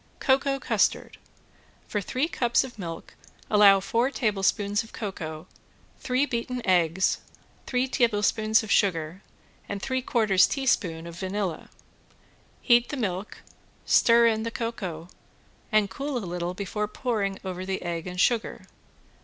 ~COCOA CUSTARD~ For three cups of milk allow four teaspoons of cocoa, three beaten eggs, three tablespoons of sugar, and three quarters teaspoon of vanilla. Heat the milk, stir in the cocoa, and cool a little before pouring over the egg and sugar.